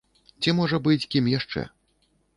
Ці, можа быць, кім яшчэ?